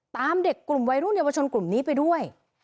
ตามเด็กกลุ่มวัยรุ่นเยาวชนกลุ่มนี้ไปด้วย